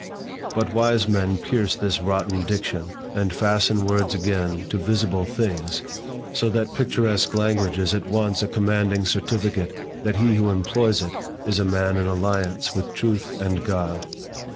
But wise men pierce this rotten diction and fasten words again to visible things; so that picturesque language is at once a commanding certificate that he who employs it, is a man in alliance with truth and God.